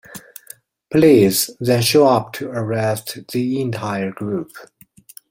Police then show up to arrest the entire group.